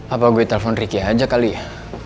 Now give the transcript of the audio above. apa gue telpon ricky aja kali ya